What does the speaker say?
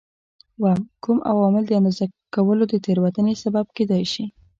اووم: کوم عوامل د اندازه کولو د تېروتنې سبب کېدای شي؟